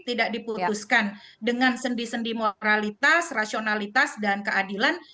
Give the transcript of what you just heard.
tidak diputuskan dengan sendi sendi moralitas rasionalitas dan keadilan